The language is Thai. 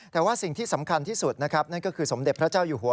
แต่ว่าสิ่งที่สำคัญที่สุดนะครับนั่นก็คือสมเด็จพระเจ้าอยู่หัว